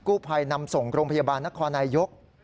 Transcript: ผู้ภัยนำส่งโรงพยาบาลนครนายก